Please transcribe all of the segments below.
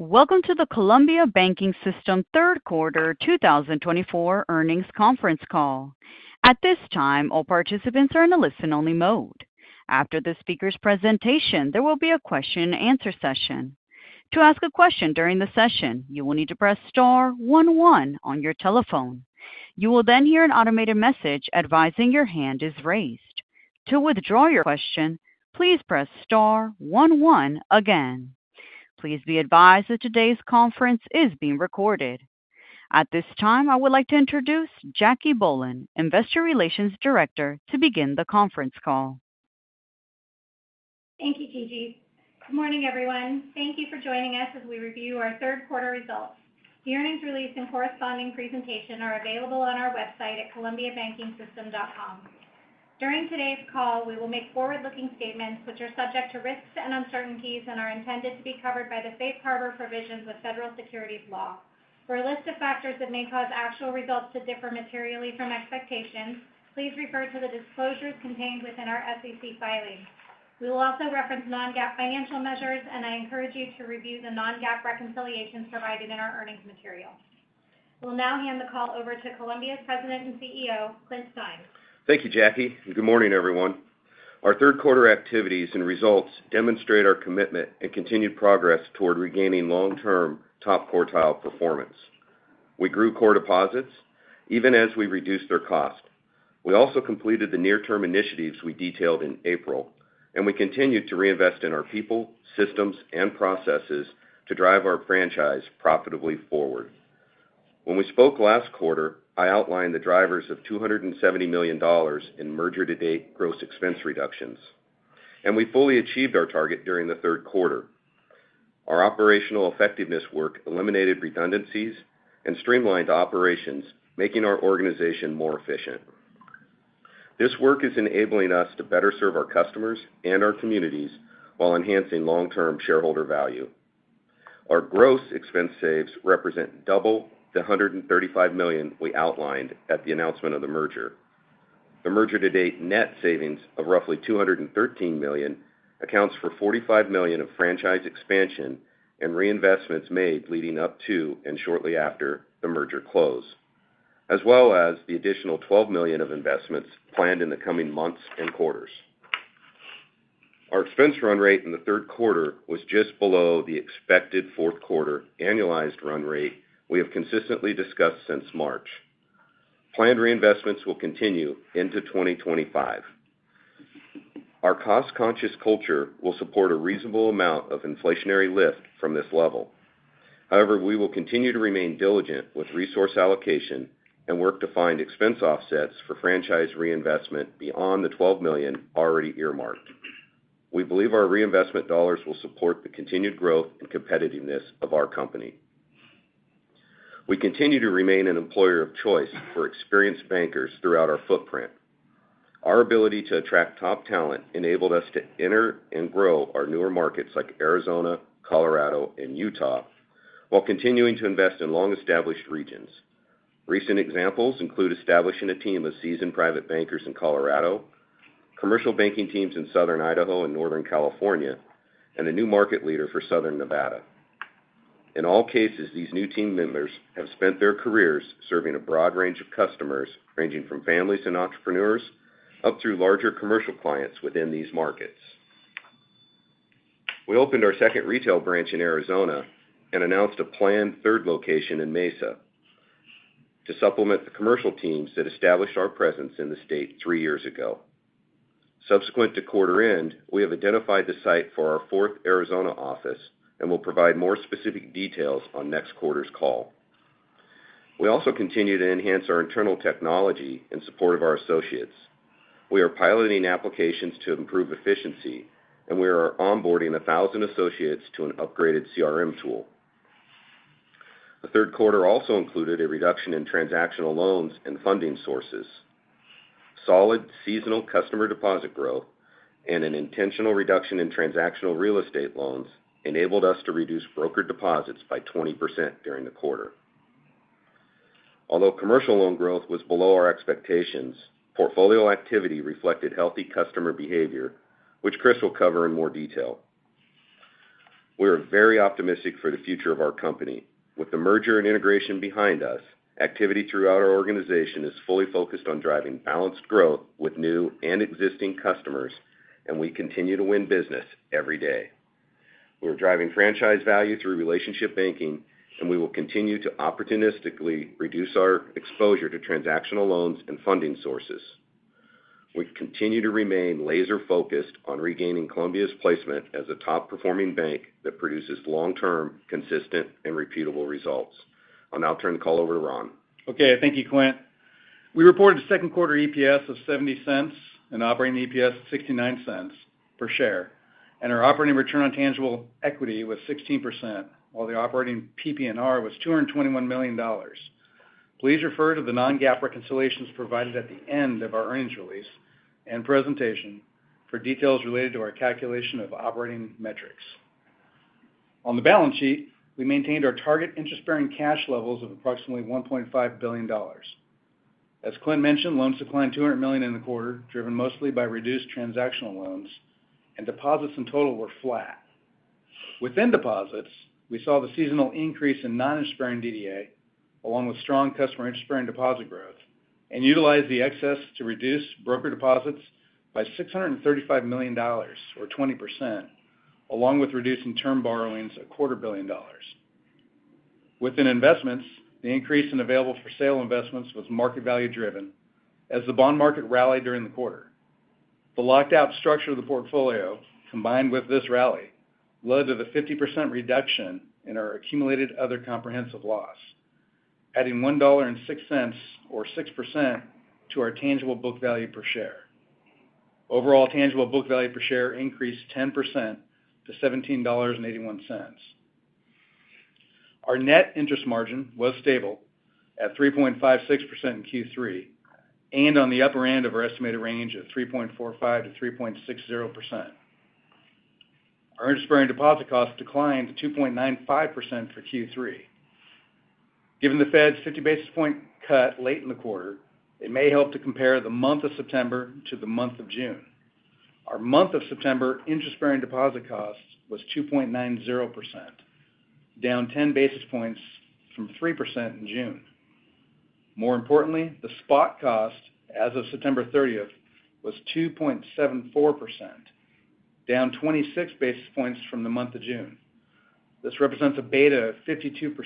Welcome to the Columbia Banking System third quarter two thousand twenty-four earnings conference call. At this time, all participants are in a listen-only mode. After the speaker's presentation, there will be a question and answer session. To ask a question during the session, you will need to press star one one on your telephone. You will then hear an automated message advising your hand is raised. To withdraw your question, please press star one one again. Please be advised that today's conference is being recorded. At this time, I would like to introduce Jackie Bohlen, Investor Relations Director, to begin the conference call. Thank you, Gigi. Good morning, everyone. Thank you for joining us as we review our third quarter results. The earnings release and corresponding presentation are available on our website at columbiabankingsystem.com. During today's call, we will make forward-looking statements which are subject to risks and uncertainties and are intended to be covered by the Safe Harbor provisions with federal securities law. For a list of factors that may cause actual results to differ materially from expectations, please refer to the disclosures contained within our SEC filings. We will also reference non-GAAP financial measures, and I encourage you to review the non-GAAP reconciliation provided in our earnings material. We'll now hand the call over to Columbia's President and CEO, Clint Stein. Thank you, Jackie, and good morning, everyone. Our third quarter activities and results demonstrate our commitment and continued progress toward regaining long-term top quartile performance. We grew core deposits even as we reduced their cost. We also completed the near-term initiatives we detailed in April, and we continued to reinvest in our people, systems, and processes to drive our franchise profitably forward. When we spoke last quarter, I outlined the drivers of $270 million in merger-to-date gross expense reductions, and we fully achieved our target during the third quarter. Our operational effectiveness work eliminated redundancies and streamlined operations, making our organization more efficient. This work is enabling us to better serve our customers and our communities while enhancing long-term shareholder value. Our gross expense savings represent double the $135 million we outlined at the announcement of the merger. The merger to date net savings of roughly $213 million accounts for $45 million of franchise expansion and reinvestments made leading up to and shortly after the merger close, as well as the additional $12 million of investments planned in the coming months and quarters. Our expense run rate in the third quarter was just below the expected fourth quarter annualized run rate we have consistently discussed since March. Planned reinvestments will continue into 2025. Our cost-conscious culture will support a reasonable amount of inflationary lift from this level. However, we will continue to remain diligent with resource allocation and work to find expense offsets for franchise reinvestment beyond the $12 million already earmarked. We believe our reinvestment dollars will support the continued growth and competitiveness of our company. We continue to remain an employer of choice for experienced bankers throughout our footprint. Our ability to attract top talent enabled us to enter and grow our newer markets like Arizona, Colorado, and Utah, while continuing to invest in long-established regions. Recent examples include establishing a team of seasoned private bankers in Colorado, commercial banking teams in Southern Idaho and Northern California, and a new market leader for Southern Nevada. In all cases, these new team members have spent their careers serving a broad range of customers, ranging from families and entrepreneurs up through larger commercial clients within these markets. We opened our second retail branch in Arizona and announced a planned third location in Mesa to supplement the commercial teams that established our presence in the state three years ago. Subsequent to quarter end, we have identified the site for our fourth Arizona office and will provide more specific details on next quarter's call. We also continue to enhance our internal technology in support of our associates. We are piloting applications to improve efficiency, and we are onboarding a thousand associates to an upgraded CRM tool. The third quarter also included a reduction in transactional loans and funding sources. Solid seasonal customer deposit growth and an intentional reduction in transactional real estate loans enabled us to reduce brokered deposits by 20% during the quarter. Although commercial loan growth was below our expectations, portfolio activity reflected healthy customer behavior, which Chris will cover in more detail. We are very optimistic for the future of our company. With the merger and integration behind us, activity throughout our organization is fully focused on driving balanced growth with new and existing customers, and we continue to win business every day. We are driving franchise value through relationship banking, and we will continue to opportunistically reduce our exposure to transactional loans and funding sources. We continue to remain laser-focused on regaining Columbia's placement as a top-performing bank that produces long-term, consistent, and repeatable results. I'll now turn the call over to Ron. Okay, thank you, Clint. We reported second quarter EPS of $0.70 and operating EPS of $0.69 per share, and our operating return on tangible equity was 16%, while the operating PPNR was $221 million. Please refer to the non-GAAP reconciliations provided at the end of our earnings release and presentation for details related to our calculation of operating metrics. On the balance sheet, we maintained our target interest-bearing cash levels of approximately $1.5 billion. As Clint mentioned, loans declined $200 million in the quarter, driven mostly by reduced transactional loans, and deposits in total were flat. Within deposits, we saw the seasonal increase in non-interest-bearing DDA, along with strong customer interest-bearing deposit growth, and utilized the excess to reduce brokered deposits by $635 million, or 20%, along with reducing term borrowings $250 million. Within investments, the increase in available-for-sale investments was market value driven as the bond market rallied during the quarter. The locked-out structure of the portfolio, combined with this rally, led to the 50% reduction in our accumulated other comprehensive loss, adding $1.06, or 6%, to our tangible book value per share. Overall, tangible book value per share increased 10% to $17.81. Our net interest margin was stable at 3.56% in Q3, and on the upper end of our estimated range of 3.45% to 3.60%. Our interest-bearing deposit cost declined to 2.95% for Q3. Given the Fed's fifty basis point cut late in the quarter, it may help to compare the month of September to the month of June. Our month of September interest-bearing deposit cost was 2.90%, down ten basis points from 3% in June. More importantly, the spot cost as of September thirtieth was 2.74%, down twenty-six basis points from the month of June. This represents a beta of 52%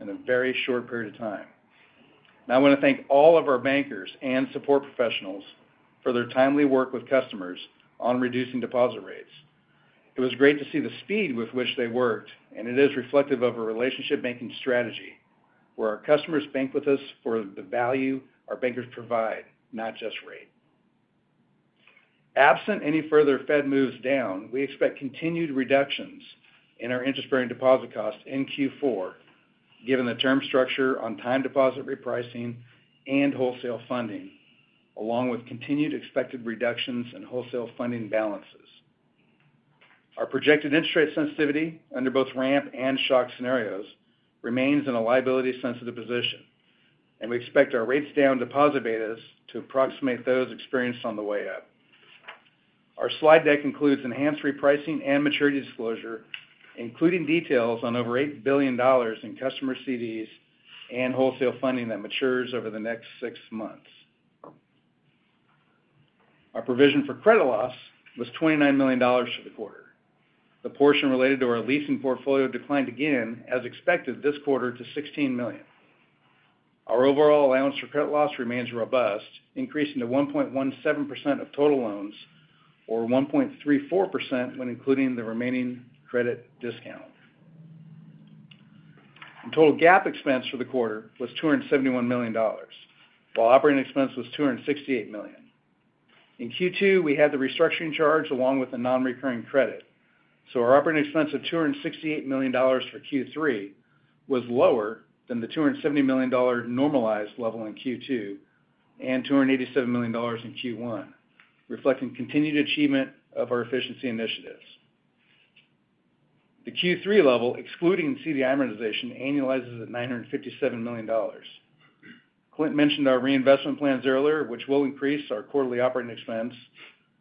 in a very short period of time. Now, I want to thank all of our bankers and support professionals for their timely work with customers on reducing deposit rates. It was great to see the speed with which they worked, and it is reflective of a relationship banking strategy, where our customers bank with us for the value our bankers provide, not just rate. Absent any further Fed moves down, we expect continued reductions in our interest-bearing deposit costs in Q4, given the term structure on time deposit repricing and wholesale funding, along with continued expected reductions in wholesale funding balances. Our projected interest rate sensitivity under both ramp and shock scenarios remains in a liability-sensitive position, and we expect our rates down deposit betas to approximate those experienced on the way up. Our slide deck includes enhanced repricing and maturity disclosure, including details on over $8 billion in customer CDs and wholesale funding that matures over the next six months. Our provision for credit loss was $29 million for the quarter. The portion related to our leasing portfolio declined again, as expected this quarter, to $16 million. Our overall allowance for credit loss remains robust, increasing to 1.17% of total loans or 1.34% when including the remaining credit discount. In total, GAAP expense for the quarter was $271 million, while operating expense was $268 million. In Q2, we had the restructuring charge along with the nonrecurring credit, so our operating expense of $268 million for Q3 was lower than the $270 million normalized level in Q2 and $287 million in Q1, reflecting continued achievement of our efficiency initiatives. The Q3 level, excluding CD amortization, annualizes at $957 million. Clint mentioned our reinvestment plans earlier, which will increase our quarterly operating expense,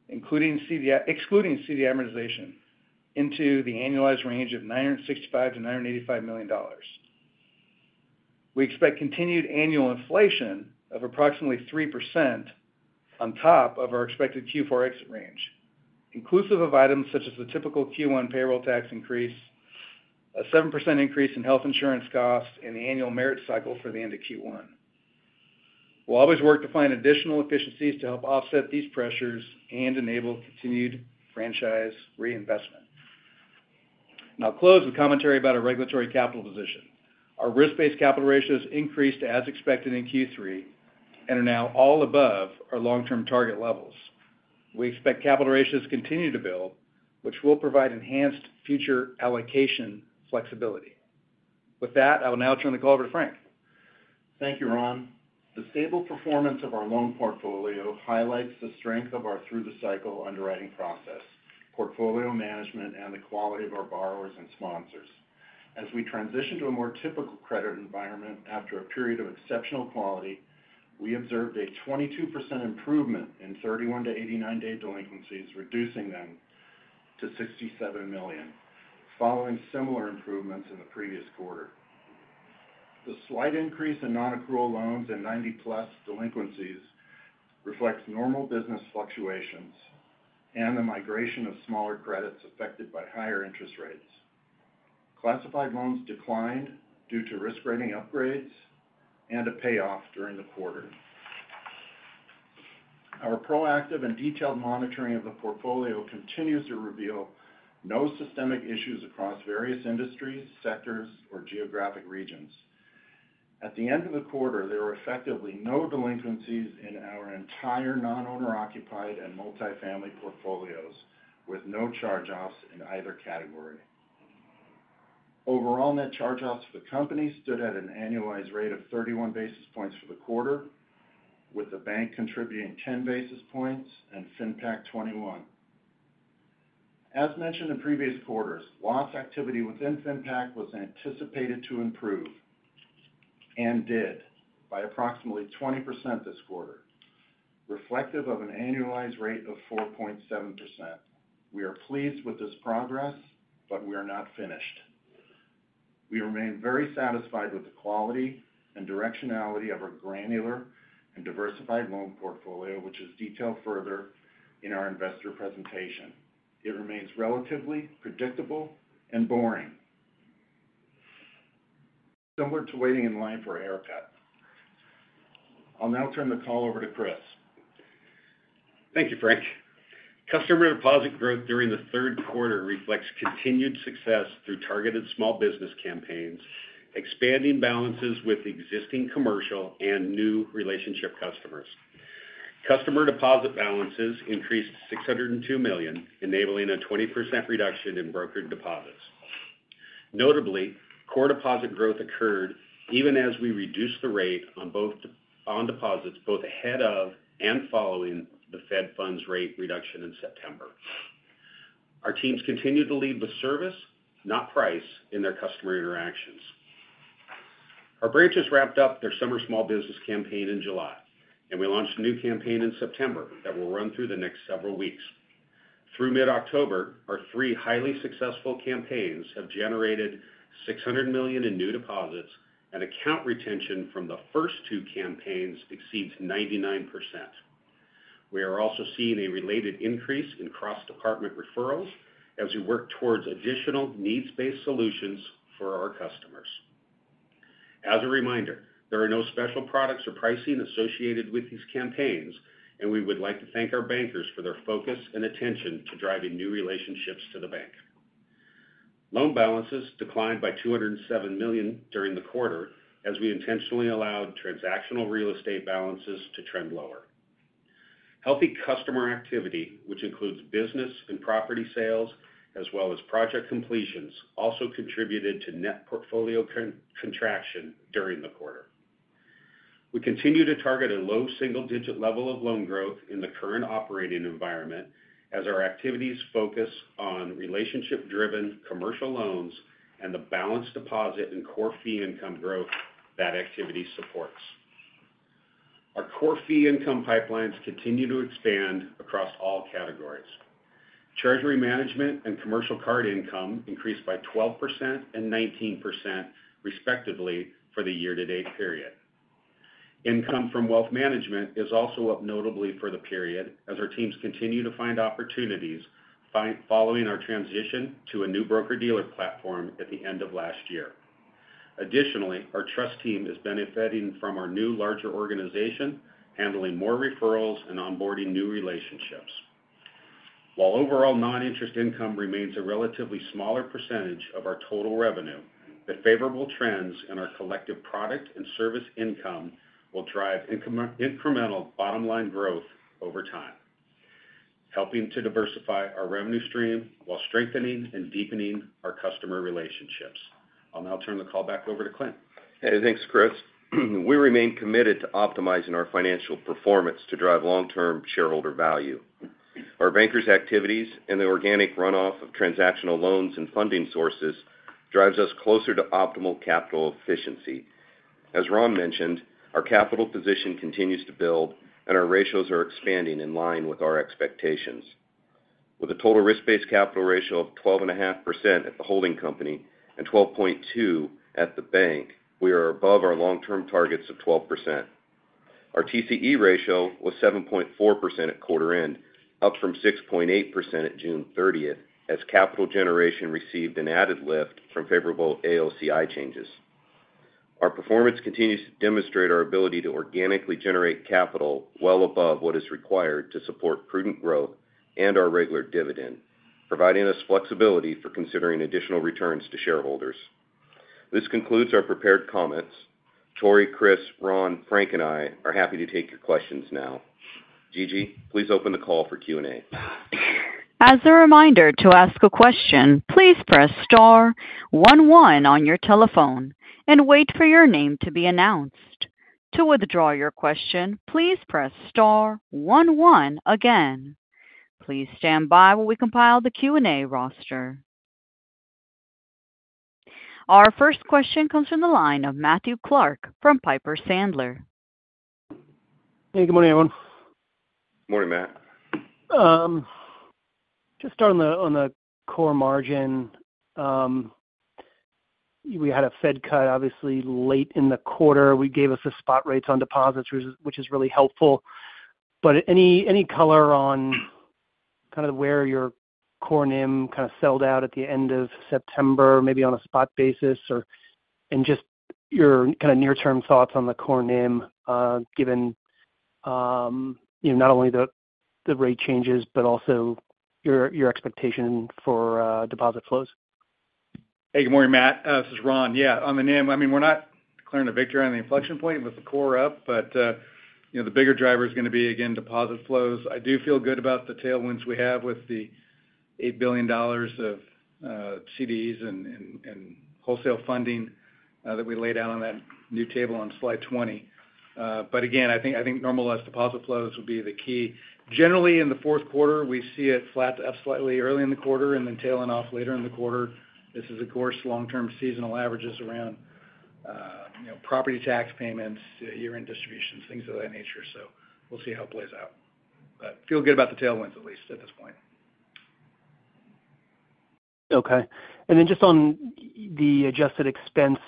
excluding CD amortization, into the annualized range of $965 million-$985 million. We expect continued annual inflation of approximately 3% on top of our expected Q4 exit range, inclusive of items such as the typical Q1 payroll tax increase, a 7% increase in health insurance costs, and the annual merit cycle for the end of Q1. We'll always work to find additional efficiencies to help offset these pressures and enable continued franchise reinvestment, and I'll close with commentary about our regulatory capital position. Our risk-based capital ratios increased as expected in Q3 and are now all above our long-term target levels. We expect capital ratios to continue to build, which will provide enhanced future allocation flexibility. With that, I will now turn the call over to Frank. Thank you, Ron. The stable performance of our loan portfolio highlights the strength of our through-the-cycle underwriting process, portfolio management, and the quality of our borrowers and sponsors. As we transition to a more typical credit environment after a period of exceptional quality, we observed a 22% improvement in 31- to 89-day delinquencies, reducing them to $67 million, following similar improvements in the previous quarter. The slight increase in nonaccrual loans and 90-plus delinquencies reflects normal business fluctuations and the migration of smaller credits affected by higher interest rates. Classified loans declined due to risk rating upgrades and a payoff during the quarter. Our proactive and detailed monitoring of the portfolio continues to reveal no systemic issues across various industries, sectors, or geographic regions. At the end of the quarter, there were effectively no delinquencies in our entire non-owner-occupied and multifamily portfolios, with no charge-offs in either category. Overall, net charge-offs for the company stood at an annualized rate of 31 basis points for the quarter, with the bank contributing 10 basis points and FinPac 21. As mentioned in previous quarters, loss activity within FinPac was anticipated to improve, and did, by approximately 20% this quarter, reflective of an annualized rate of 4.7%. We are pleased with this progress, but we are not finished. We remain very satisfied with the quality and directionality of our granular and diversified loan portfolio, which is detailed further in our investor presentation. It remains relatively predictable and boring. Similar to waiting in line for a haircut. I'll now turn the call over to Chris. Thank you, Frank. Customer deposit growth during the third quarter reflects continued success through targeted small business campaigns, expanding balances with existing commercial and new relationship customers. Customer deposit balances increased $602 million, enabling a 20% reduction in brokered deposits. Notably, core deposit growth occurred even as we reduced the rate on both deposits, both ahead of and following the Fed funds rate reduction in September. Our teams continued to lead with service, not price, in their customer interactions. Our branches wrapped up their summer small business campaign in July, and we launched a new campaign in September that will run through the next several weeks. Through mid-October, our three highly successful campaigns have generated $600 million in new deposits, and account retention from the first two campaigns exceeds 99%. We are also seeing a related increase in cross-department referrals as we work towards additional needs-based solutions for our customers. As a reminder, there are no special products or pricing associated with these campaigns, and we would like to thank our bankers for their focus and attention to driving new relationships to the bank. Loan balances declined by $207 million during the quarter, as we intentionally allowed transactional real estate balances to trend lower. Healthy customer activity, which includes business and property sales, as well as project completions, also contributed to net portfolio contraction during the quarter. We continue to target a low single-digit level of loan growth in the current operating environment, as our activities focus on relationship-driven commercial loans and the balanced deposit and core fee income growth that activity supports. Our core fee income pipelines continue to expand across all categories. Treasury management and commercial card income increased by 12% and 19%, respectively, for the year-to-date period. Income from wealth management is also up notably for the period, as our teams continue to find opportunities, following our transition to a new broker-dealer platform at the end of last year. Additionally, our trust team is benefiting from our new, larger organization, handling more referrals and onboarding new relationships. While overall non-interest income remains a relatively smaller percentage of our total revenue, the favorable trends in our collective product and service income will drive incremental bottom-line growth over time, helping to diversify our revenue stream while strengthening and deepening our customer relationships. I'll now turn the call back over to Clint. Hey, thanks, Chris. We remain committed to optimizing our financial performance to drive long-term shareholder value. Our bankers' activities and the organic runoff of transactional loans and funding sources drives us closer to optimal capital efficiency. As Ron mentioned, our capital position continues to build, and our ratios are expanding in line with our expectations. With a total risk-based capital ratio of 12.5% at the holding company and 12.2% at the bank, we are above our long-term targets of 12%. Our TCE ratio was 7.4% at quarter end, up from 6.8% at June thirtieth, as capital generation received an added lift from favorable AOCI changes. Our performance continues to demonstrate our ability to organically generate capital well above what is required to support prudent growth and our regular dividend, providing us flexibility for considering additional returns to shareholders. This concludes our prepared comments. Tory, Chris, Ron, Frank, and I are happy to take your questions now. Gigi, please open the call for Q&A. As a reminder, to ask a question, please press star one one on your telephone and wait for your name to be announced. To withdraw your question, please press star one one again. Please stand by while we compile the Q&A roster. Our first question comes from the line of Matthew Clark from Piper Sandler. Hey, good morning, everyone. Morning, Matt. Just starting on the core margin. We had a Fed cut, obviously, late in the quarter. You gave us the spot rates on deposits, which is really helpful. But any color on kind of where your core NIM kind of settled out at the end of September, maybe on a spot basis, or. And just your kind of near-term thoughts on the core NIM, given, you know, not only the rate changes, but also your expectation for deposit flows? Hey, good morning, Matt. This is Ron. Yeah, on the NIM, I mean, we're not declaring a victory on the inflection point with the core up, but you know, the bigger driver is gonna be, again, deposit flows. I do feel good about the tailwinds we have with the $8 billion of CDs and wholesale funding that we laid out on that new table on slide 20. But again, I think normalized deposit flows will be the key. Generally, in the fourth quarter, we see it flat to up slightly early in the quarter and then tailing off later in the quarter. This is, of course, long-term seasonal averages around you know, property tax payments, year-end distributions, things of that nature, so we'll see how it plays out but feel good about the tailwinds, at least at this point. Okay. And then just on the adjusted expense,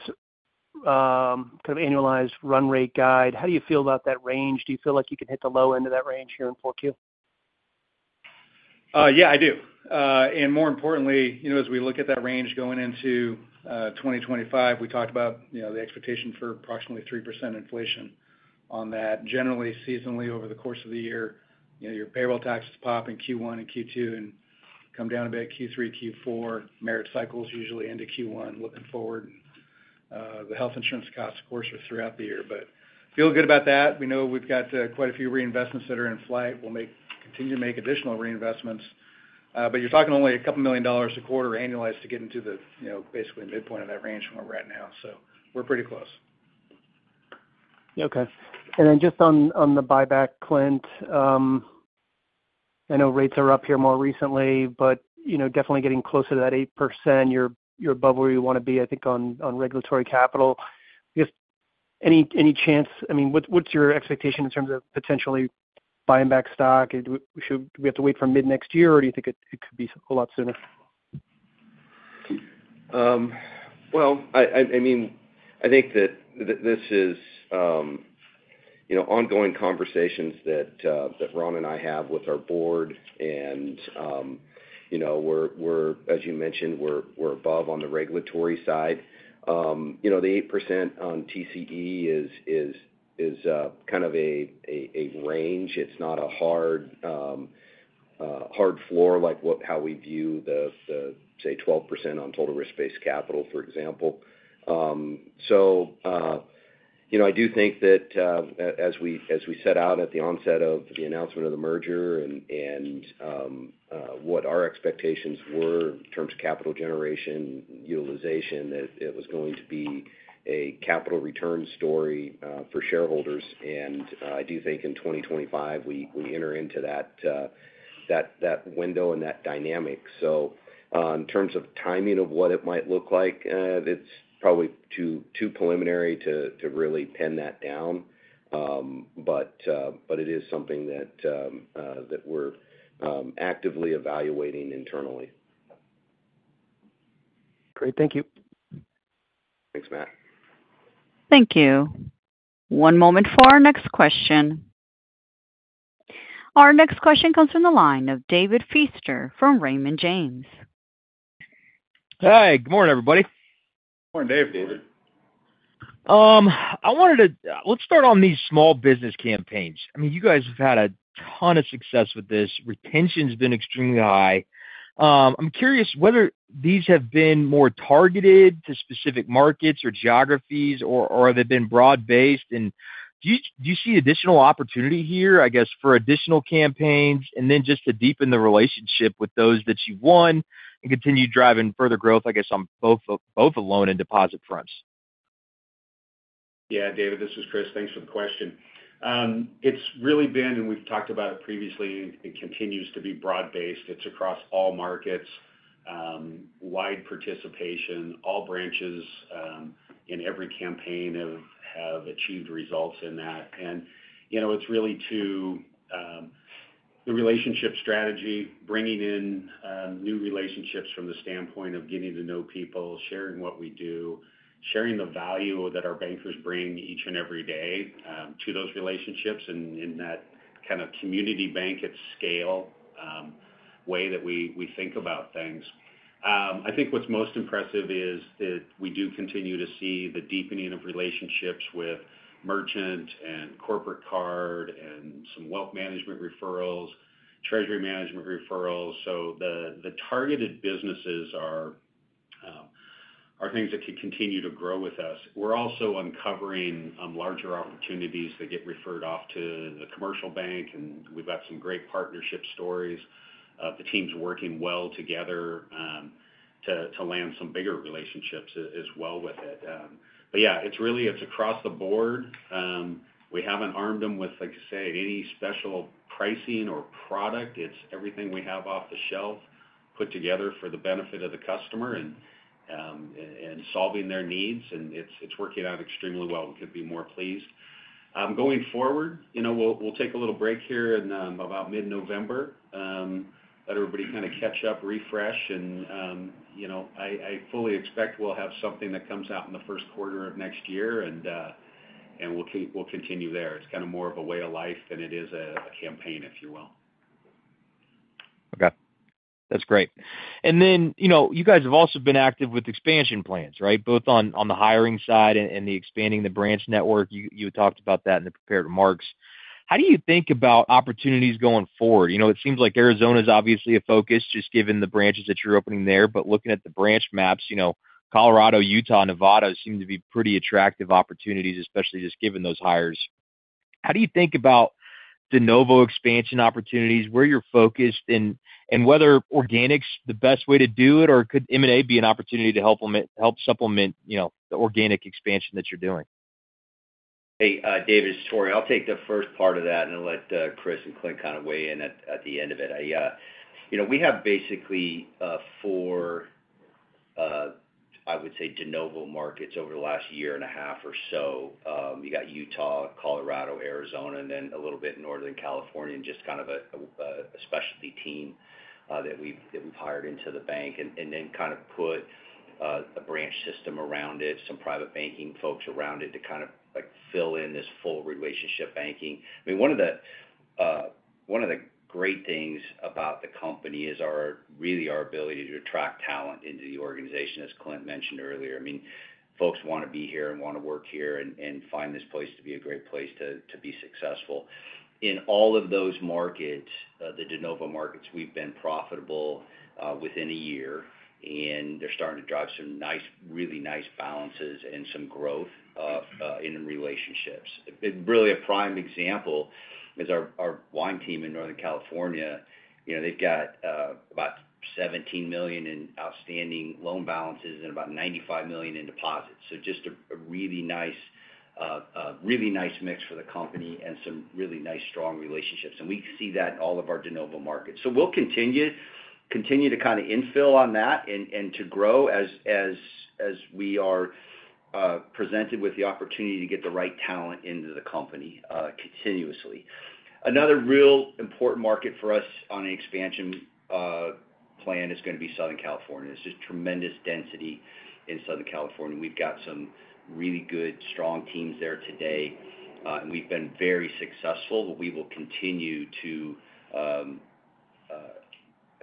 kind of annualized run rate guide, how do you feel about that range? Do you feel like you can hit the low end of that range here in 4Q? Yeah, I do. And more importantly, you know, as we look at that range going into twenty twenty-five, we talked about, you know, the expectation for approximately 3% inflation on that. Generally, seasonally, over the course of the year, you know, your payroll taxes pop in Q1 and Q2 and come down a bit Q3, Q4. Merit cycles usually into Q1, looking forward. The health insurance costs, of course, are throughout the year. We feel good about that. We know we've got quite a few reinvestments that are in flight. We'll continue to make additional reinvestments, but you're talking only $2 million a quarter annualized to get into the, you know, basically midpoint of that range from where we're at now. So we're pretty close. Okay. And then just on the buyback, Clint, I know rates are up here more recently, but you know, definitely getting closer to that 8%. You're above where you want to be, I think, on regulatory capital. Is any chance... I mean, what's your expectation in terms of potentially buying back stock? And should we have to wait for mid-next year, or do you think it could be a whole lot sooner? Well, I mean, I think that this is, you know, ongoing conversations that Ron and I have with our board, and, you know, we're, as you mentioned, we're above on the regulatory side. You know, the 8% on TCE is kind of a range. It's not a hard floor, like how we view the say 12% on total risk-based capital, for example. So, you know, I do think that as we set out at the onset of the announcement of the merger and what our expectations were in terms of capital generation utilization, that it was going to be a capital return story for shareholders. I do think in 2025 we enter into that window and that dynamic. In terms of timing of what it might look like, it's probably too preliminary to really pin that down. But it is something that we're actively evaluating internally. Great. Thank you. Thanks, Matt. Thank you. One moment for our next question. Our next question comes from the line of David Feaster from Raymond James. Hi, good morning, everybody. Good morning, Dave. David. Let's start on these small business campaigns. I mean, you guys have had a ton of success with this. Retention's been extremely high. I'm curious whether these have been more targeted to specific markets or geographies, or have they been broad-based? And do you see additional opportunity here, I guess, for additional campaigns? And then just to deepen the relationship with those that you've won and continue driving further growth, I guess, on both the loan and deposit fronts. Yeah, David, this is Chris. Thanks for the question. It's really been, and we've talked about it previously, it continues to be broad-based. It's across all markets, wide participation, all branches, in every campaign have achieved results in that. And, you know, it's really to, the relationship strategy, bringing in, new relationships from the standpoint of getting to know people, sharing what we do, sharing the value that our bankers bring each and every day, to those relationships, and in that kind of community bank at scale, way that we think about things. I think what's most impressive is that we do continue to see the deepening of relationships with merchant and corporate card and some wealth management referrals, treasury management referrals. So the targeted businesses are things that could continue to grow with us. We're also uncovering larger opportunities that get referred off to the commercial bank, and we've got some great partnership stories. The team's working well together to land some bigger relationships as well with it. But yeah, it's really, it's across the board. We haven't armed them with, like, say, any special pricing or product. It's everything we have off the shelf put together for the benefit of the customer and solving their needs, and it's working out extremely well. We couldn't be more pleased. Going forward, you know, we'll take a little break here in about mid-November, let everybody kind of catch up, refresh, and you know, I fully expect we'll have something that comes out in the first quarter of next year, and we'll continue there. It's kind of more of a way of life than it is a campaign, if you will. Okay. That's great. And then, you know, you guys have also been active with expansion plans, right? Both on, on the hiring side and, and the expanding the branch network. You, you talked about that in the prepared remarks. How do you think about opportunities going forward? You know, it seems like Arizona is obviously a focus, just given the branches that you're opening there. But looking at the branch maps, you know, Colorado, Utah, Nevada seem to be pretty attractive opportunities, especially just given those hires... How do you think about de novo expansion opportunities, where you're focused, and, and whether organic's the best way to do it, or could M&A be an opportunity to help limit-- help supplement, you know, the organic expansion that you're doing? Hey, David, it's Tory. I'll take the first part of that, and I'll let Chris and Clint kind of weigh in at the end of it. I, you know, we have basically four, I would say, de novo markets over the last year and a half or so. You got Utah, Colorado, Arizona, and then a little bit in Northern California, and just kind of a specialty team that we've hired into the bank. And then kind of put a branch system around it, some private banking folks around it to kind of, like, fill in this full relationship banking. I mean, one of the great things about the company is our really our ability to attract talent into the organization, as Clint mentioned earlier. I mean, folks want to be here and want to work here and, and find this place to be a great place to, to be successful. In all of those markets, the de novo markets, we've been profitable, within a year, and they're starting to drive some nice, really nice balances and some growth, in the relationships. Really, a prime example is our, our wine team in Northern California. You know, they've got, about $17 million in outstanding loan balances and about $95 million in deposits. So just a, a really nice, really nice mix for the company and some really nice, strong relationships. And we see that in all of our de novo markets. We'll continue to kind of infill on that and to grow as we are presented with the opportunity to get the right talent into the company continuously. Another real important market for us on an expansion plan is gonna be Southern California. It's just tremendous density in Southern California. We've got some really good, strong teams there today and we've been very successful. But we will continue to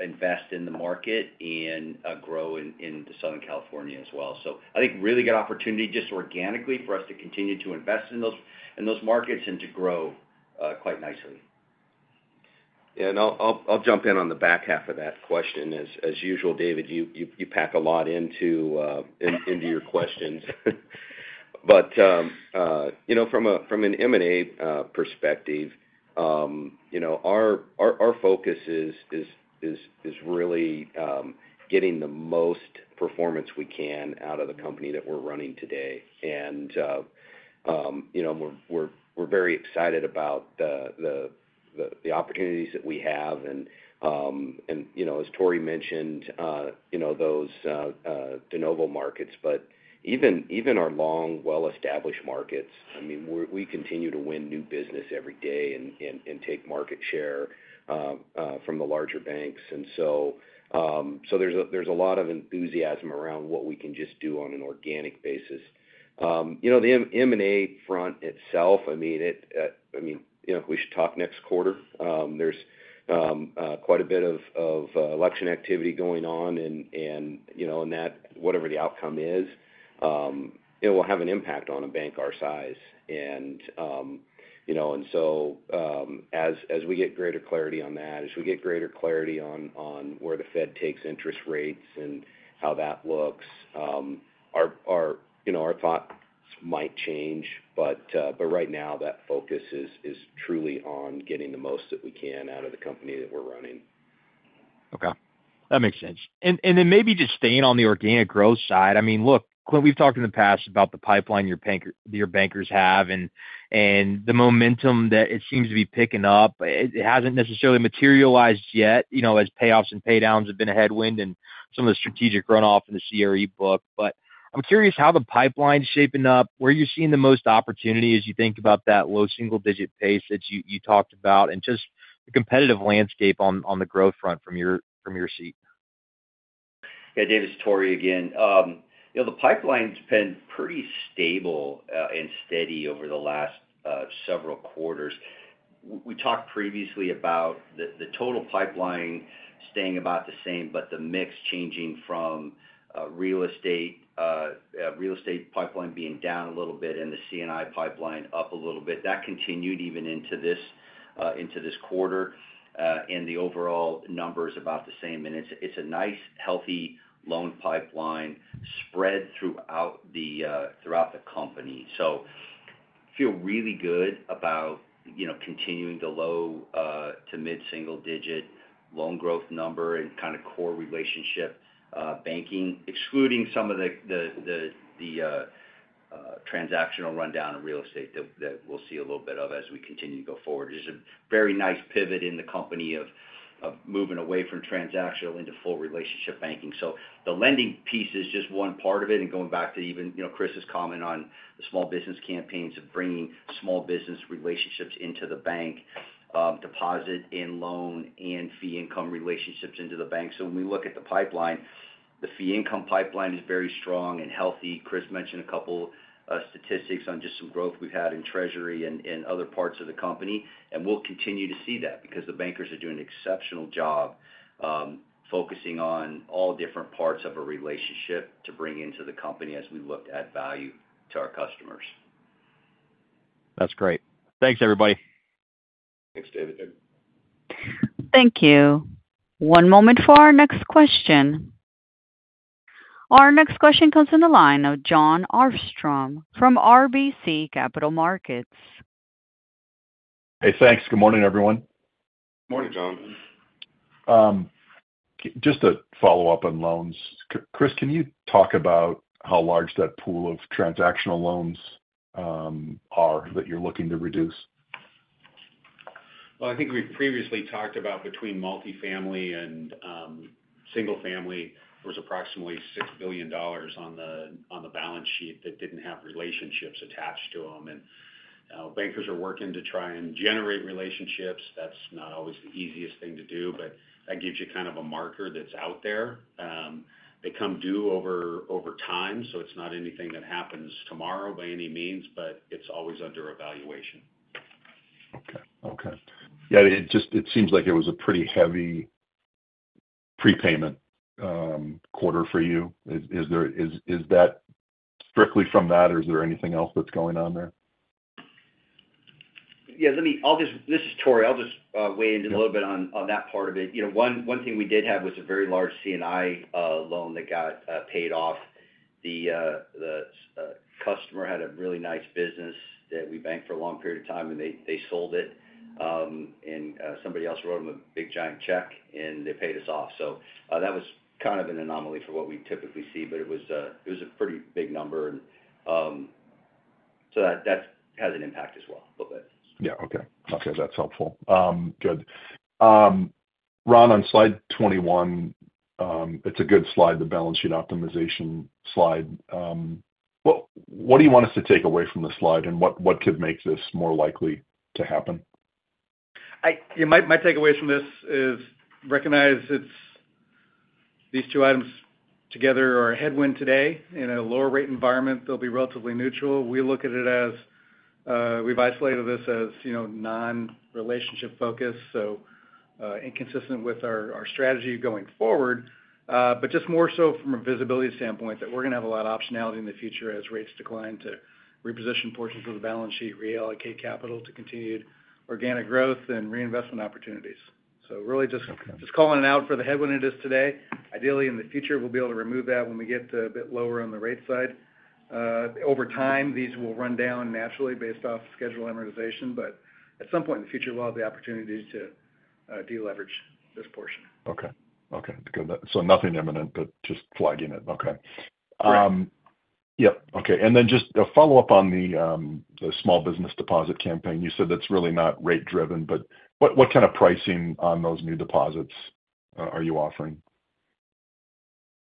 invest in the market and grow in the Southern California as well. So I think really good opportunity just organically for us to continue to invest in those markets and to grow quite nicely. And I'll jump in on the back half of that question. As usual, David, you pack a lot into your questions. But you know, from an M&A perspective, you know, our focus is really getting the most performance we can out of the company that we're running today. And you know, we're very excited about the opportunities that we have and you know, as Tory mentioned, you know, those de novo markets. But even our long, well-established markets, I mean, we continue to win new business every day and take market share from the larger banks. And so, so there's a lot of enthusiasm around what we can just do on an organic basis. You know, the M&A front itself, I mean, you know, we should talk next quarter. There's quite a bit of election activity going on, and, and you know, and that, whatever the outcome is, it will have an impact on a bank our size. And, you know, and so, as we get greater clarity on that, as we get greater clarity on where the Fed takes interest rates and how that looks, our you know, our thoughts might change, but, but right now, that focus is truly on getting the most that we can out of the company that we're running. Okay, that makes sense, and then maybe just staying on the organic growth side, I mean, look, Clint, we've talked in the past about the pipeline your bankers have and the momentum that it seems to be picking up. It hasn't necessarily materialized yet, you know, as payoffs and paydowns have been a headwind and some of the strategic runoff in the CRE book, but I'm curious how the pipeline's shaping up, where you're seeing the most opportunity as you think about that low single-digit pace that you talked about, and just the competitive landscape on the growth front from your seat. Yeah, David, it's Tory again. You know, the pipeline's been pretty stable and steady over the last several quarters. We talked previously about the total pipeline staying about the same, but the mix changing from real estate pipeline being down a little bit and the C&I pipeline up a little bit. That continued even into this quarter and the overall number is about the same. And it's a nice, healthy loan pipeline spread throughout the company. So feel really good about, you know, continuing the low to mid-single digit loan growth number and kind of core relationship banking, excluding some of the transactional rundown in real estate that we'll see a little bit of as we continue to go forward. It's a very nice pivot in the company of moving away from transactional into full relationship banking. So the lending piece is just one part of it, and going back to even, you know, Chris's comment on the small business campaigns of bringing small business relationships into the bank, deposit and loan and fee income relationships into the bank. So when we look at the pipeline, the fee income pipeline is very strong and healthy. Chris mentioned a couple statistics on just some growth we've had in treasury and other parts of the company, and we'll continue to see that because the bankers are doing an exceptional job, focusing on all different parts of a relationship to bring into the company as we look to add value to our customers. That's great. Thanks, everybody. Thanks, David. Thank you. One moment for our next question... Our next question comes from the line of Jon Arfstrom from RBC Capital Markets. Hey, thanks. Good morning, everyone. Good morning, Jon. Just to follow up on loans. Chris, can you talk about how large that pool of transactional loans are that you're looking to reduce? Well, I think we've previously talked about between multifamily and single-family, there was approximately $6 billion on the balance sheet that didn't have relationships attached to them. And, bankers are working to try and generate relationships. That's not always the easiest thing to do, but that gives you kind of a marker that's out there. They come due over time, so it's not anything that happens tomorrow by any means, but it's always under evaluation. Okay. Okay. Yeah, it just seems like it was a pretty heavy prepayment quarter for you. Is that strictly from that, or is there anything else that's going on there? Yeah, let me. I'll just... This is Tory. I'll just weigh in a little bit on that part of it. You know, one thing we did have was a very large C&I loan that got paid off. The customer had a really nice business that we banked for a long period of time, and they sold it. And somebody else wrote them a big, giant check, and they paid us off. So that was kind of an anomaly for what we typically see, but it was a pretty big number. And so that has an impact as well, a little bit. Yeah. Okay. Okay, that's helpful. Good. Ron, on slide twenty-one, it's a good slide, the balance sheet optimization slide. What do you want us to take away from this slide, and what could make this more likely to happen? Yeah, my takeaway from this is recognize it's these two items together are a headwind today. In a lower rate environment, they'll be relatively neutral. We look at it as we've isolated this as, you know, non-relationship focused, so inconsistent with our strategy going forward. But just more so from a visibility standpoint, that we're going to have a lot of optionality in the future as rates decline to reposition portions of the balance sheet, reallocate capital to continued organic growth and reinvestment opportunities. So really just calling it out for the headwind it is today. Ideally, in the future, we'll be able to remove that when we get a bit lower on the rate side. Over time, these will run down naturally based off schedule amortization, but at some point in the future, we'll have the opportunity to deleverage this portion. Okay. Okay, good. So nothing imminent, but just flagging it. Okay. Right. Yep, okay. And then just a follow-up on the small business deposit campaign. You said that's really not rate driven, but what kind of pricing on those new deposits are you offering?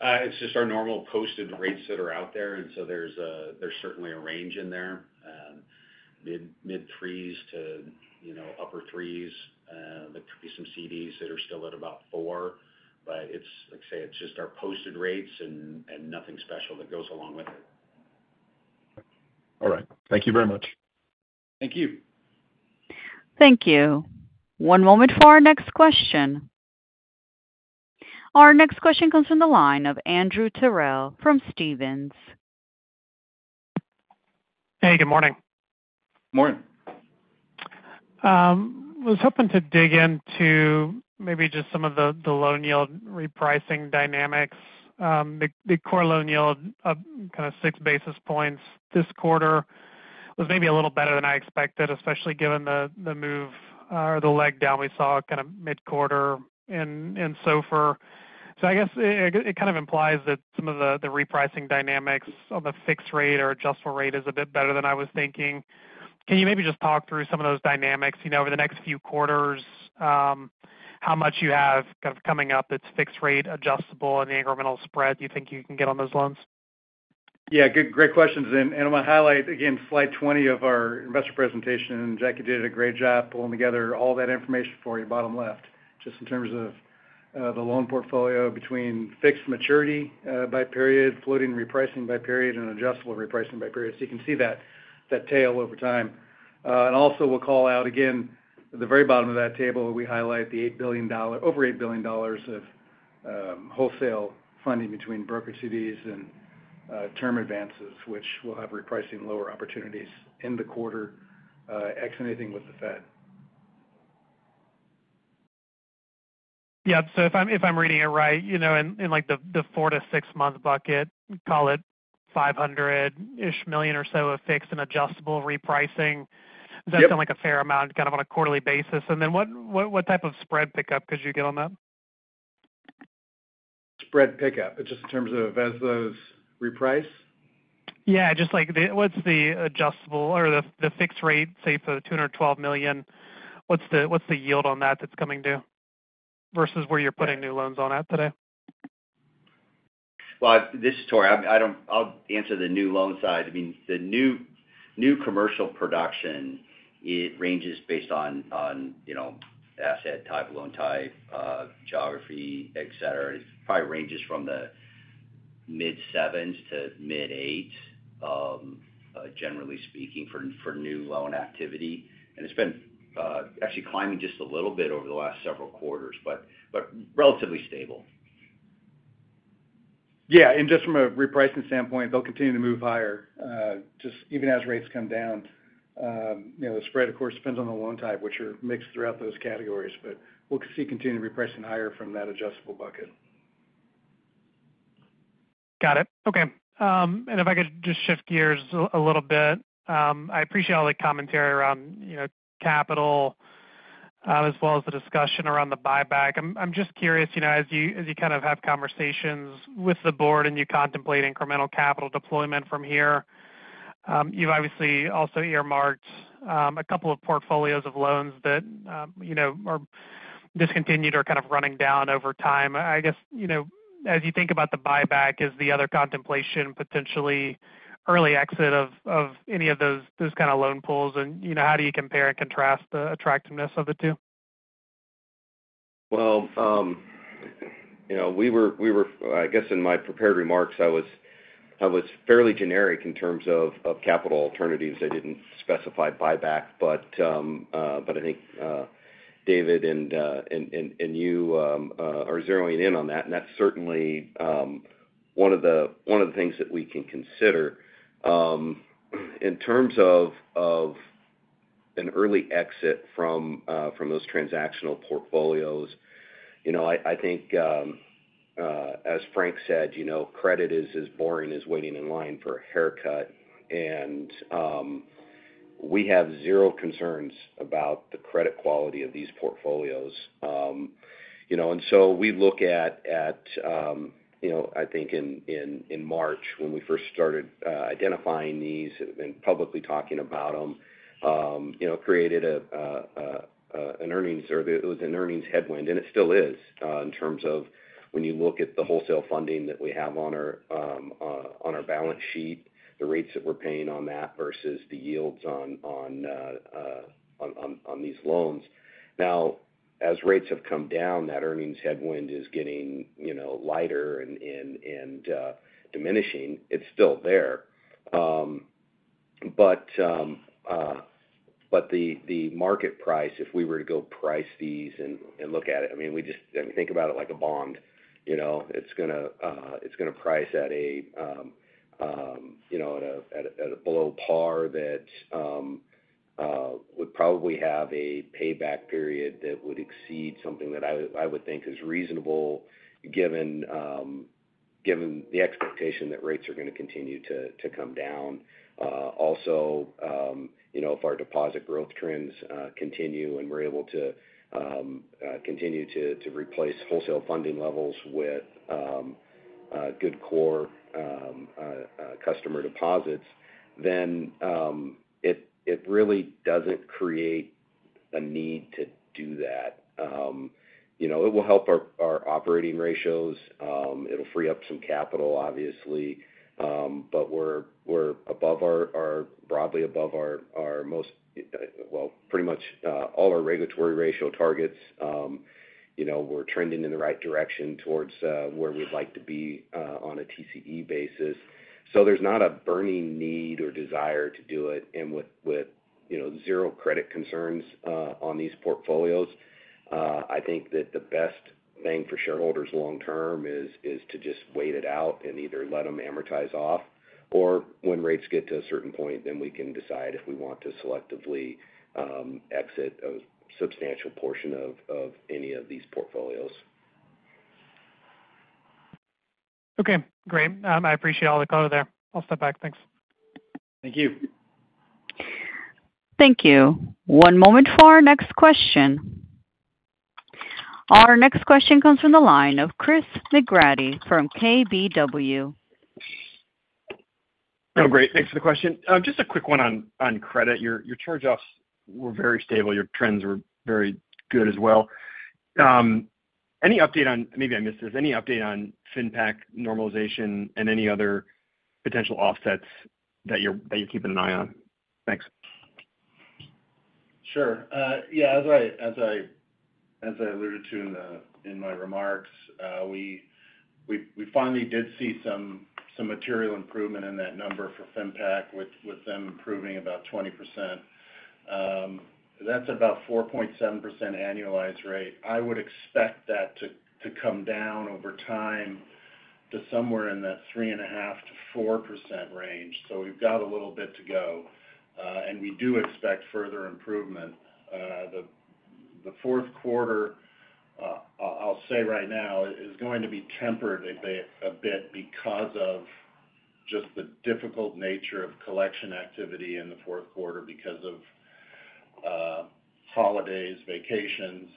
It's just our normal posted rates that are out there, and so there's certainly a range in there. Mid threes to, you know, upper threes. There could be some CDs that are still at about four, but it's, like I say, it's just our posted rates and nothing special that goes along with it. All right. Thank you very much. Thank you. Thank you. One moment for our next question. Our next question comes from the line of Andrew Terrell from Stephens. Hey, good morning. Morning. Was hoping to dig into maybe just some of the loan yield repricing dynamics. The core loan yield of kind of six basis points this quarter was maybe a little better than I expected, especially given the move or the leg down we saw kind of mid-quarter and so far. So I guess it kind of implies that some of the repricing dynamics on the fixed rate or adjustable rate is a bit better than I was thinking. Can you maybe just talk through some of those dynamics, you know, over the next few quarters, how much you have kind of coming up that's fixed rate, adjustable and the incremental spread you think you can get on those loans? Yeah, good, great questions. And I'm going to highlight again, slide twenty of our investor presentation, and Jackie did a great job pulling together all that information for you, bottom left, just in terms of the loan portfolio between fixed maturity by period, floating repricing by period, and adjustable repricing by period. So you can see that tail over time. And also, we'll call out again, the very bottom of that table, we highlight the $8 billion- over $8 billion of wholesale funding between brokered CDs and term advances, which we'll have repricing lower opportunities in the quarter, ex anything with the Fed. Yep. So if I'm reading it right, you know, in, like, the four- to six-month bucket, call it five hundred-ish million or so of fixed and adjustable repricing- Yep. Does that sound like a fair amount, kind of on a quarterly basis? And then what type of spread pickup could you get on that? Spread pickup, just in terms of as those reprice? Yeah, just like the adjustable or the fixed rate, say, for the $212 million, what's the yield on that that's coming due versus where you're putting new loans on at today? This is Tory. I'll answer the new loan side. I mean, the new commercial production, it ranges based on, you know, asset type, loan type, geography, et cetera. It probably ranges from the mid sevens to mid eights, generally speaking, for new loan activity. It's been actually climbing just a little bit over the last several quarters, but relatively stable. Yeah, and just from a repricing standpoint, they'll continue to move higher, just even as rates come down.... you know, the spread, of course, depends on the loan type, which are mixed throughout those categories, but we'll see continuing repricing higher from that adjustable bucket. Got it. Okay, and if I could just shift gears a little bit. I appreciate all the commentary around, you know, capital, as well as the discussion around the buyback. I'm just curious, you know, as you kind of have conversations with the board and you contemplate incremental capital deployment from here, you've obviously also earmarked a couple of portfolios of loans that, you know, are discontinued or kind of running down over time. I guess, you know, as you think about the buyback, is the other contemplation potentially early exit of any of those kind of loan pools? And you know, how do you compare and contrast the attractiveness of the two? You know, we were. I guess in my prepared remarks, I was fairly generic in terms of capital alternatives. I didn't specify buyback, but I think David and you are zeroing in on that, and that's certainly one of the things that we can consider. In terms of an early exit from those transactional portfolios, you know, I think as Frank said, you know, credit is as boring as waiting in line for a haircut, and we have zero concerns about the credit quality of these portfolios. You know, and so we look at, you know, I think in March, when we first started identifying these and publicly talking about them, you know, created a, an earnings or it was an earnings headwind, and it still is, in terms of when you look at the wholesale funding that we have on our balance sheet, the rates that we're paying on that versus the yields on these loans. Now, as rates have come down, that earnings headwind is getting, you know, lighter and diminishing. It's still there. But the market price, if we were to go price these and look at it, I mean, we just think about it like a bond. You know, it's gonna price at a, you know, at a below par that would probably have a payback period that would exceed something that I would think is reasonable given the expectation that rates are going to continue to come down. Also, you know, if our deposit growth trends continue, and we're able to continue to replace wholesale funding levels with good core customer deposits, then it really doesn't create a need to do that. You know, it will help our operating ratios. It'll free up some capital, obviously. But we're above our-- broadly above our most, well, pretty much all our regulatory ratio targets. You know, we're trending in the right direction towards where we'd like to be on a TCE basis. There's not a burning need or desire to do it, and with you know, zero credit concerns on these portfolios, I think that the best thing for shareholders long term is to just wait it out and either let them amortize off, or when rates get to a certain point, then we can decide if we want to selectively exit a substantial portion of any of these portfolios. Okay, great. I appreciate all the color there. I'll step back. Thanks. Thank you. Thank you. One moment for our next question. Our next question comes from the line of Chris McGratty from KBW. Oh, great. Thanks for the question. Just a quick one on, on credit. Your, your charge-offs were very stable. Your trends were very good as well. Any update on, maybe I missed this, any update on FinPac normalization and any other potential offsets that you're, that you're keeping an eye on? Thanks. Sure. Yeah, as I alluded to in my remarks, we finally did see some material improvement in that number for FinPac, with them improving about 20%. That's about 4.7% annualized rate. I would expect that to come down over time to somewhere in that 3.5%-4% range. So we've got a little bit to go, and we do expect further improvement. The fourth quarter, I'll say right now, is going to be tempered a bit because of just the difficult nature of collection activity in the fourth quarter because of holidays, vacations,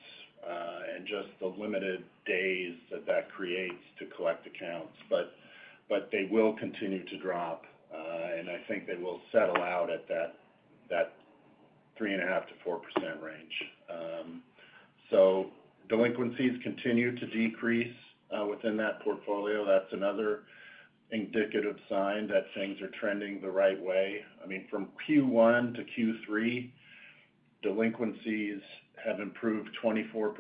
and just the limited days that creates to collect accounts. But they will continue to drop, and I think they will settle out at that 3.5%-4% range. So delinquencies continue to decrease within that portfolio. That's another indicative sign that things are trending the right way. I mean, from Q1 to Q3, delinquencies have improved 24%,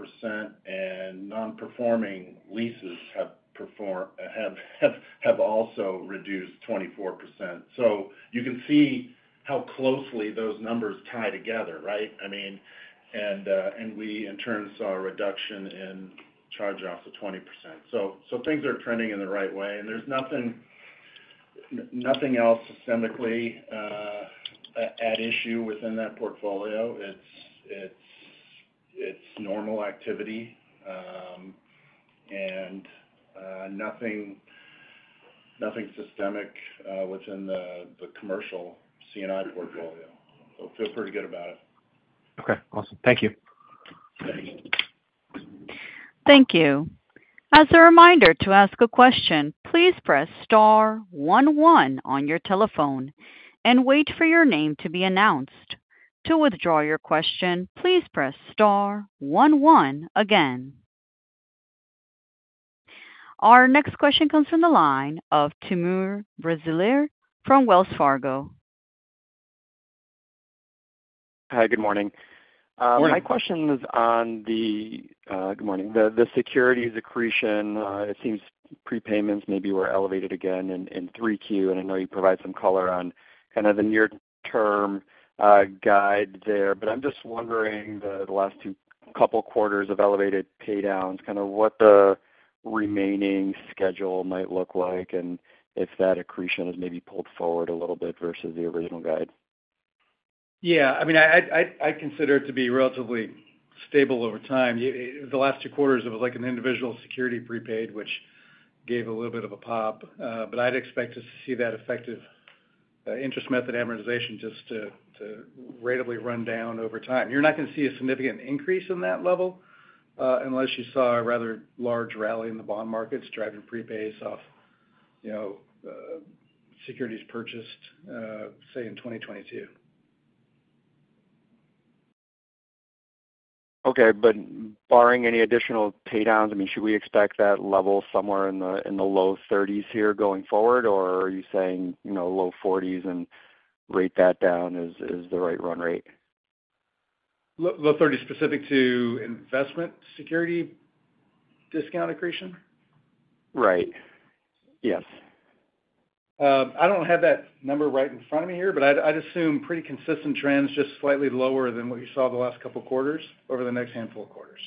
and non-performing leases have also reduced 24%. So you can see how closely those numbers tie together, right? I mean-... and we in turn saw a reduction in charge-offs of 20%. So things are trending in the right way, and there's nothing else systemically at issue within that portfolio. It's normal activity, and nothing systemic within the commercial C&I portfolio. So feel pretty good about it. Okay, awesome. Thank you. Thanks. Thank you. As a reminder, to ask a question, please press star one one on your telephone and wait for your name to be announced. To withdraw your question, please press star one one again. Our next question comes from the line of Timur Braziler from Wells Fargo. Hi, good morning. Good morning. Good morning. My question is on the securities accretion. It seems prepayments maybe were elevated again in 3Q, and I know you provided some color on kind of the near-term guide there. But I'm just wondering, the last two couple quarters of elevated paydowns, kind of what the remaining schedule might look like, and if that accretion is maybe pulled forward a little bit versus the original guide. Yeah, I mean, I'd consider it to be relatively stable over time. The last two quarters, it was like an individual security prepaid, which gave a little bit of a pop. But I'd expect to see that effective interest method amortization just to ratably run down over time. You're not gonna see a significant increase in that level, unless you saw a rather large rally in the bond markets, driving prepays off, you know, securities purchased, say, in twenty twenty-two. Okay, but barring any additional paydowns, I mean, should we expect that level somewhere in the low thirties here going forward? Or are you saying, you know, low forties and rate that down is the right run rate? Low thirties, specific to investment security discount accretion? Right. Yes. I don't have that number right in front of me here, but I'd assume pretty consistent trends, just slightly lower than what you saw the last couple quarters over the next handful of quarters.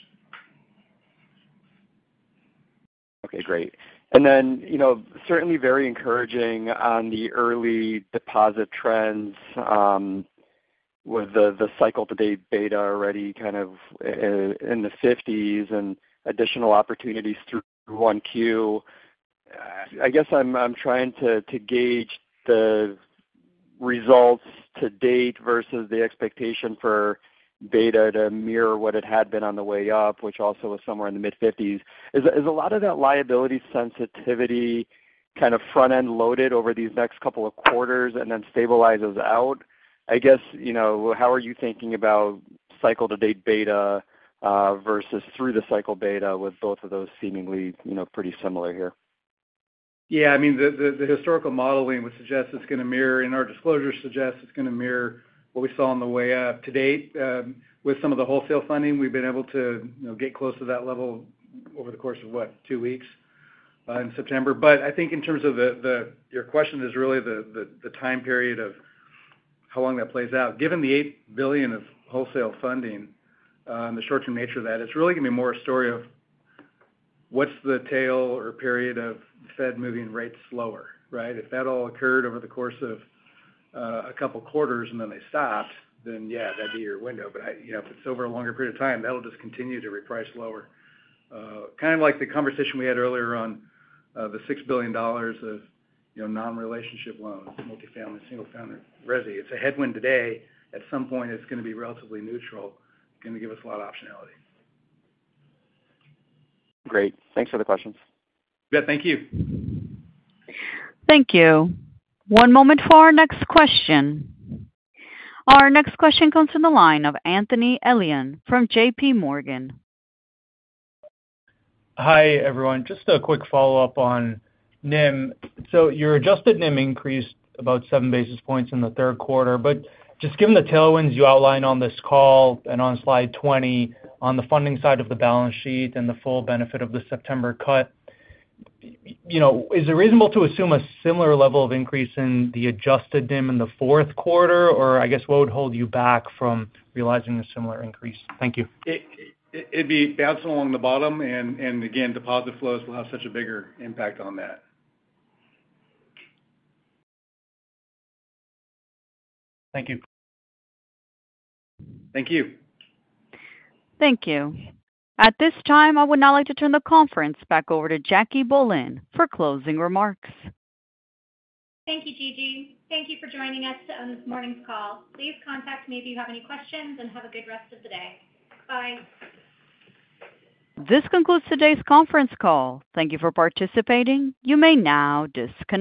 Okay, great. And then, you know, certainly very encouraging on the early deposit trends, with the cycle-to-date beta already kind of in the fifties and additional opportunities through 1Q. I guess I'm trying to gauge the results to date versus the expectation for beta to mirror what it had been on the way up, which also was somewhere in the mid-fifties. Is a lot of that liability sensitivity kind of front-end loaded over these next couple of quarters and then stabilizes out? I guess, you know, how are you thinking about cycle-to-date beta versus through-the-cycle beta, with both of those seemingly, you know, pretty similar here? Yeah, I mean, the historical modeling would suggest it's gonna mirror, and our disclosure suggests it's gonna mirror what we saw on the way up to date. With some of the wholesale funding, we've been able to, you know, get close to that level over the course of two weeks in September. But I think in terms of the time period of how long that plays out. Given the $8 billion of wholesale funding, and the short-term nature of that, it's really gonna be more a story of what's the tail or period of Fed moving rates slower, right? If that all occurred over the course of a couple quarters and then they stopped, then yeah, that'd be your window. But, I, you know, if it's over a longer period of time, that'll just continue to reprice lower. Kind of like the conversation we had earlier on, the $6 billion of, you know, non-relationship loans, multifamily, single family, resi. It's a headwind today. At some point, it's gonna be relatively neutral, gonna give us a lot of optionality. Great. Thanks for the questions. Yeah, thank you. Thank you. One moment for our next question. Our next question comes from the line of Anthony Elian from J.P. Morgan. Hi, everyone. Just a quick follow-up on NIM. So your adjusted NIM increased about seven basis points in the third quarter, but just given the tailwinds you outlined on this call and on slide twenty, on the funding side of the balance sheet and the full benefit of the September cut, you know, is it reasonable to assume a similar level of increase in the adjusted NIM in the fourth quarter? Or I guess, what would hold you back from realizing a similar increase? Thank you. It'd be bouncing along the bottom, and again, deposit flows will have such a bigger impact on that. Thank you. Thank you. Thank you. At this time, I would now like to turn the conference back over to Jackie Bohlen for closing remarks. Thank you, Gigi. Thank you for joining us on this morning's call. Please contact me if you have any questions, and have a good rest of the day. Bye. This concludes today's conference call. Thank you for participating. You may now disconnect.